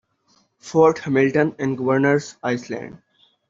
Fort Hamilton and Governor's Island.